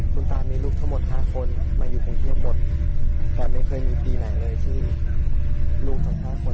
คุณตามีลูกทั้งหมด๕คนมาอยู่กรุงเทพหมดแต่ไม่เคยมีปีไหนเลยที่ลูกทั้ง๕คน